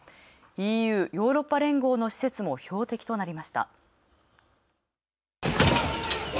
ＥＵ＝ヨーロッパ連合の施設も標的となりました。